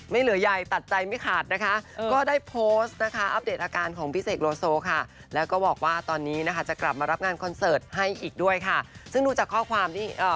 มารับงานกับคนเสิร์ตชม